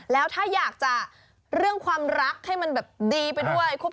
แล้วถ้าอยากจะเรื่องความรักให้มันแบบดีไปด้วย